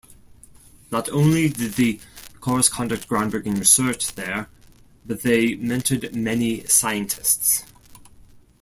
Not only did the Coris conduct groundbreaking research there, but they mentored many scientists.